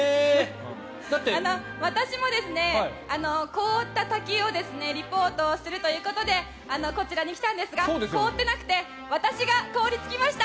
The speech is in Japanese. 私も、凍った滝をリポートするということでこちらに来たんですが凍ってなくて私が凍りつきました！